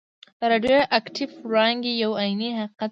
د راډیو اکټیف وړانګې یو عیني حقیقت دی.